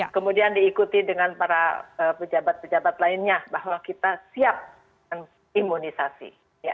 kemudian diikuti dengan para pejabat pejabat lainnya bahwa kita siap dengan imunisasi